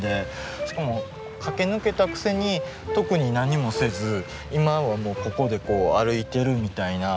しかも駆け抜けたくせに特に何もせず今はもうここで歩いてるみたいな。